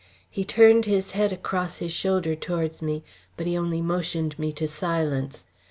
He turned his head across his shoulder towards me, but he only motioned me to silence.